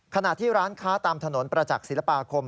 ขณะที่ร้านค้าตามถนนประจักษ์ศิลปาคม